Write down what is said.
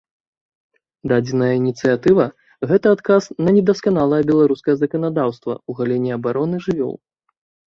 Дадзеная ініцыятыва гэта адказ на недасканалае беларускае заканадаўства ў галіне абароны жывёл.